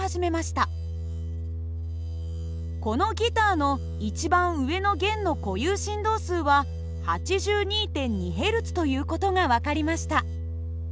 このギターの一番上の弦の固有振動数は８２．２Ｈｚという事が分かりました。